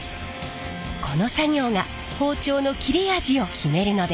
この作業が包丁の切れ味を決めるのです。